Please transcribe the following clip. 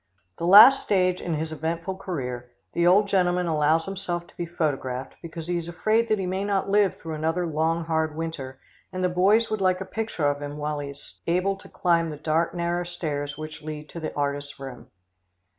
The last stage in his eventful career, the old gentleman allows himself to be photographed, because he is afraid he may not live through another long, hard winter, and the boys would like a picture of him while he is able to climb the dark, narrow stairs which lead to the artist's room.